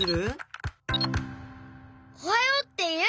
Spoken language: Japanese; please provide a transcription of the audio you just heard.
「おはよう！」っていう。